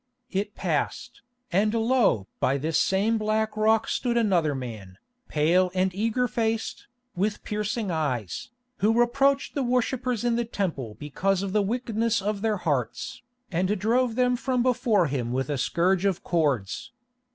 It passed, and lo! by this same black rock stood another man, pale and eager faced, with piercing eyes, who reproached the worshippers in the Temple because of the wickedness of their hearts, and drove them from before him with a scourge of cords.